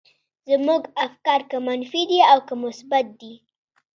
زموږ افکار که منفي دي او که مثبت دي.